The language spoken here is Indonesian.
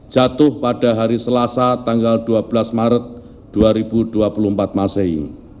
jatuh pada hari selasa tanggal dua belas maret dua ribu dua puluh empat masehi